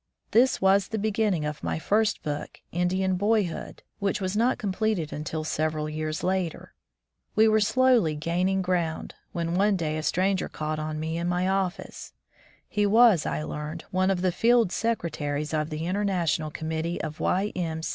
This was the beginning of my first book, "Indian Boyhood," which was not completed until several years later. We were slowly gaining ground, when one day a stranger called on me in my office. He was, I learned, one of the field secretaries of the International Committee of Y. M.